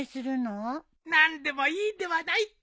何でもいいではないか！